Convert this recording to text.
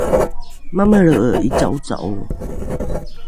mamelre’e ’ica’oca’o